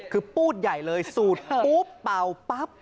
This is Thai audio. คือปูดใหญ่เลยสูดปุ๊บเป่าปั๊บ